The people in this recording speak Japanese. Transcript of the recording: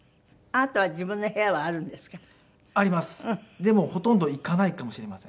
でもほとんど行かないかもしれません。